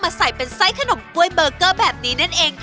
ใส่เป็นไส้ขนมกล้วยเบอร์เกอร์แบบนี้นั่นเอง